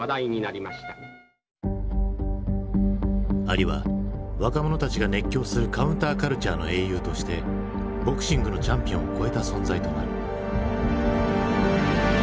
アリは若者たちが熱狂するカウンターカルチャーの英雄としてボクシングのチャンピオンを超えた存在となる。